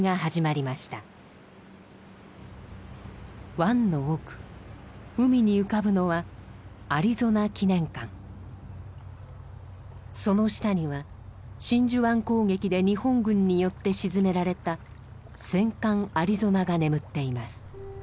湾の奥海に浮かぶのはその下には真珠湾攻撃で日本軍によって沈められた戦艦アリゾナが眠っています。